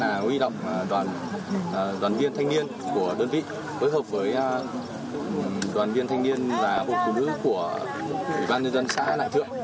đã huy động đoàn viên thanh niên của đơn vị với hợp với đoàn viên thanh niên và hội phụ nữ của bà con nông dân xã lại thượng